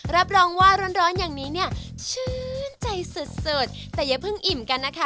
รับรองว่าร้อนร้อนอย่างนี้เนี่ยชื่นใจสุดสุดแต่อย่าเพิ่งอิ่มกันนะคะ